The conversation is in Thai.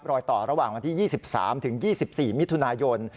รอยต่อระหว่างวันที่๒๓ถึง๒๔มิถุนายน